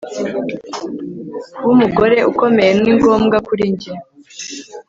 kuba umugore ukomeye ni ngombwa kuri njye